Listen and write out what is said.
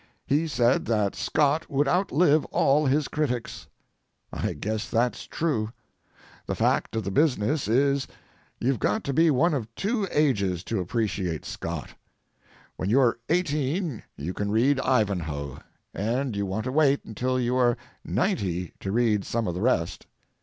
He said that Scott would outlive all his critics. I guess that's true. The fact of the business is, you've got to be one of two ages to appreciate Scott. When you're eighteen you can read Ivanhoe, and you want to wait until you are ninety to read some of the rest.